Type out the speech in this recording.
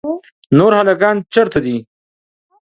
نور هلکان چیرې دي؟